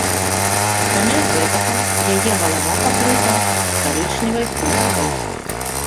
Акрамя гэтага, яе галава пакрыта карычневай хусткай.